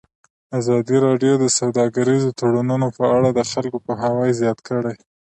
ازادي راډیو د سوداګریز تړونونه په اړه د خلکو پوهاوی زیات کړی.